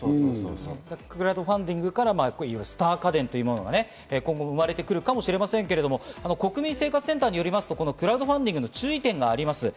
クラウドファンディングからスター家電というものが今後も生まれて来るかもしれませんけれども、国民生活センターによると、クラウドファンディングの注意点があります。